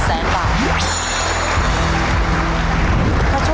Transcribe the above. ๑วันบาท